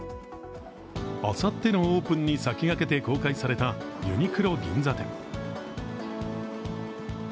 あさってのオープンに先駆けて公開されたユニクロ銀座店。